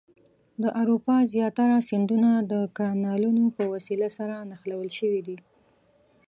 د اروپا زیاتره سیندونه د کانالونو په وسیله سره نښلول شوي دي.